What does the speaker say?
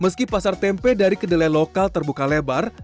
meski pasar tempe dari kedelai lokal terbuka lebar